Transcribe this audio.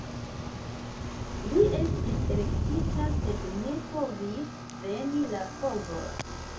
Li estis elektita, sed ne povis preni la povon.